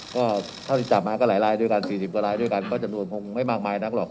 ก็เท่าที่จับมาก็หลายรายด้วยกัน๔๐กว่าลายด้วยกันก็จำนวนคงไม่มากมายนักหรอก